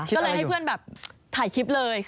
ก็เลยให้เพื่อนแบบถ่ายคลิปเลย